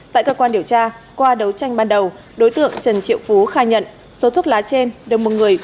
tại cơ quan điều tra qua đấu tranh ban đầu đối tượng trần triệu phú khai nhận số thuốc lá trên đồng một người